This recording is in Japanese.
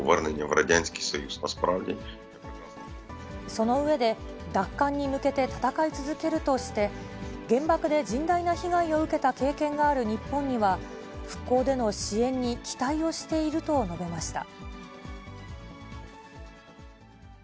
その上で、奪還に向けて戦い続けるとして、原爆で甚大な被害を受けた経験がある日本には、復興での支援に期待をしていると述べました。